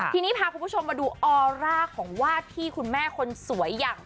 ทีนี้พาคุณผู้ชมมาดูออร่าของวาดที่คุณแม่คนสวยอย่าง